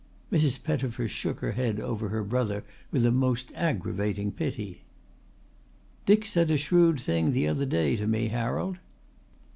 Mrs. Pettifer shook her head over her brother with a most aggravating pity. "Dick said a shrewd thing the other day to me, Harold."